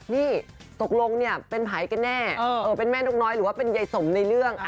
นี่ตกลงเนี่ยเป็นไผ่กันแน่เป็นแม่นกน้อยหรือว่าเป็นยายสมในเรื่อง